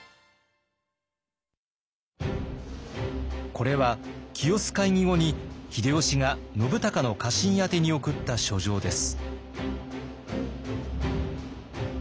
これは清須会議後に秀吉が信孝の家臣宛に送った書状です。